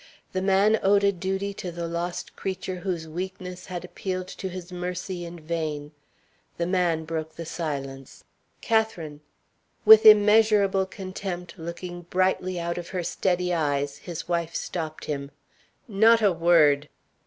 The man owed a duty to the lost creature whose weakness had appealed to his mercy in vain. The man broke the silence. "Catherine " With immeasurable contempt looking brightly out of her steady eyes, his wife stopped him. "Not a word!"